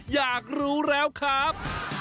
อยากรู้แล้วครับ